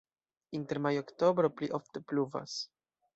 Inter majo-oktobro pli ofte pluvas.